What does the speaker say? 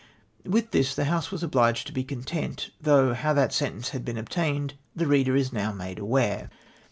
With this the House was obliged to be content, though how that sentence had been obtained the reader is now made aware.